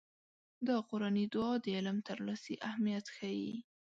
دا قرآني دعا د علم ترلاسي اهميت ښيي.